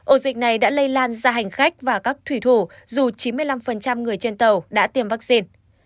ổ dịch này đã lây lan ra hành khách và các thủy thủ dù chín mươi năm người trên tàu đã tiêm vaccine